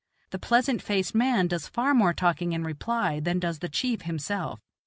The pleasant faced man does far more talking in reply than does the chief himself.